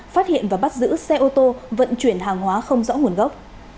phát hiện và bắt giữ xe ô tô vận chuyển hàng hóa không rõ nguồn gốc